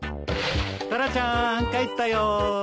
タラちゃん帰ったよ。